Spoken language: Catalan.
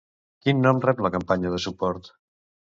Quin nom rep la campanya de suport?